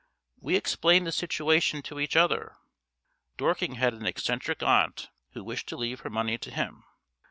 We explained the situation to each other. Dorking had an eccentric aunt who wished to leave her money to him.